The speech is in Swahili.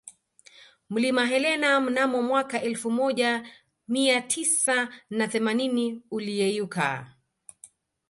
Mlima Helena mnamo mwaka elfu moja miatisa na themanini uliyeyuka